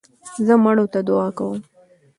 زه مړو ته دؤعا کوم.